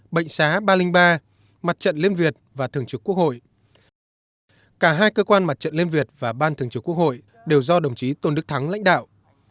bệnh xá ba trăm linh ba mặt trận liên việt và thường trực quốc hội cả hai cơ quan mặt trận liên việt và ban thường trực quốc hội đều do đồng chí tôn đức thắng lãnh đạo